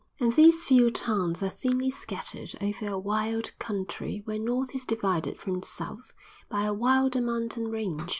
And these few towns are thinly scattered over a wild country where north is divided from south by a wilder mountain range.